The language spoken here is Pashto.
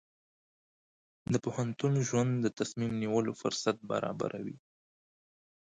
د پوهنتون ژوند د تصمیم نیولو فرصت برابروي.